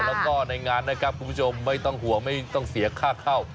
แล้วก็ในงานนะครับคุณผู้ชมไม่ต้องห่วงไม่ต้องเสียค่าเข้า